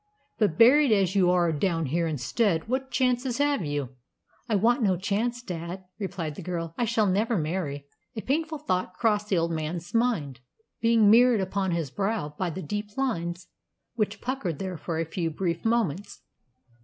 But buried as you are down here instead, what chances have you?" "I want no chance, dad," replied the girl. "I shall never marry." A painful thought crossed the old man's mind, being mirrored upon his brow by the deep lines which puckered there for a few brief moments.